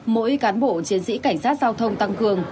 mỗi cán bộ chiến sĩ cảnh sát giao thông tăng cường